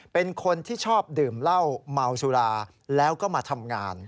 เป็นคนที่ชอบดื่มเหล้าเมาสุราแล้วก็มาทำงาน